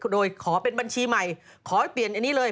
โดยขอเป็นบัญชีใหม่ขอให้เปลี่ยนอันนี้เลย